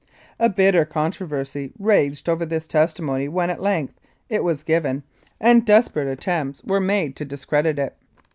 A bitter controversy raged over this testimony when, at. length, it was given, and desperate attempts were 246 The Tucker Peach Murder made to discredit it.